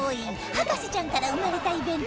『博士ちゃん』から生まれたイベント